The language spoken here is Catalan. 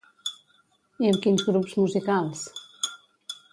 I amb quins grups musicals?